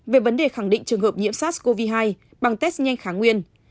về vấn đề khẳng định trường hợp nhiễm sars cov hai bằng test nhanh kháng nguyên